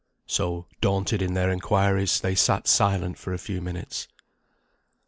"] So, daunted in their inquiries, they sat silent for a few minutes.